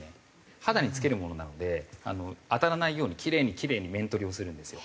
肌につけるものなので当たらないようにキレイにキレイに面取りをするんですよ。